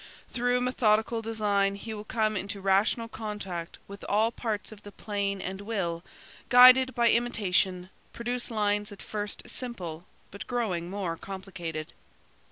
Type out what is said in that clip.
Through methodical design he will come into rational contact with all parts of the plane and will, guided by imitation, produce lines at first simple, but growing more complicated.